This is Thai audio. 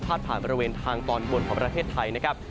ผ่านบริเวณทางตอนบนของประเทศไทยนะครับ